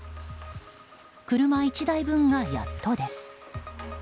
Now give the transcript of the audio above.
車１台分がやっとです。